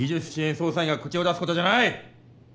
捜査員が口を出すことじゃない！